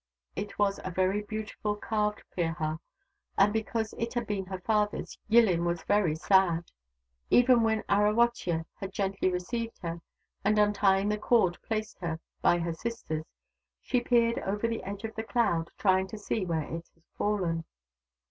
It was a very beautiful carved Pirha, and, because it had been her father's, Yillin felt very sad. Even when Arawotya had gently received her, and, untying the cord, placed her by her sisters, she peered over the edge of the cloud, trying to see where it had fallen.